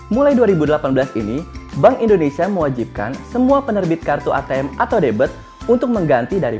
mulai dua ribu delapan belas ini bank indonesia mewajibkan semua penerbit kartu atm atau debet untuk mengganti dari